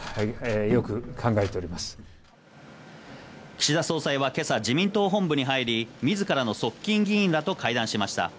岸田総裁は今朝、自民党本部に入り、自らの側近議員らと会談しました。